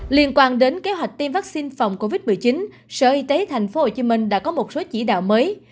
liên quan đến kế hoạch tiêm vaccine phòng covid một mươi chín sở y tế tp hcm đã có một số chỉ đạo mới